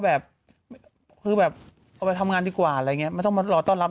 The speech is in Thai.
แบบคือแบบเอาไปทำงานดีกว่าอะไรอย่างนี้ไม่ต้องมารอต้อนรับ